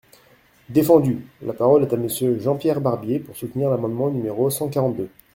Défendu ! La parole est à Monsieur Jean-Pierre Barbier, pour soutenir l’amendement numéro cent quarante-deux.